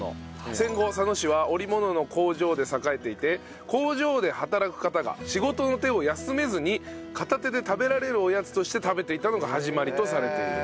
戦後佐野市は織物の工場で栄えていて工場で働く方が仕事の手を休めずに片手で食べられるおやつとして食べていたのが始まりとされている。